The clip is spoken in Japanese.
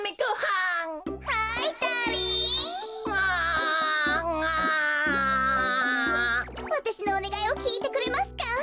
わたしのおねがいをきいてくれますか？